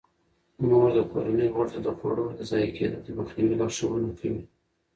مور د کورنۍ غړو ته د خوړو د ضایع کیدو د مخنیوي لارښوونه کوي.